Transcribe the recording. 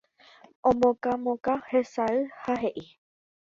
Omokãmokã hesay ha he'i